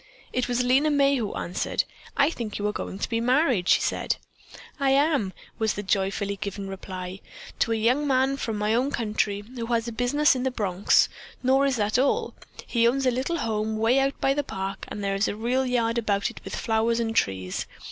It was Lena May who answered: "I think you are going to be married," she said. "I am," was the joyfully given reply. "To a young man from my own country who has a business in the Bronx; nor is that all, he owns a little home way out by the park and there is a real yard about it with flowers and trees.